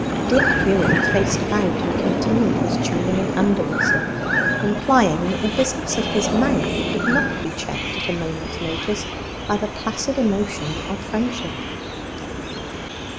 Dick Dewy faced about and continued his tune in an under whistle, implying that the business of his mouth could not be checked at a moment's notice by the placid emotion of friendship.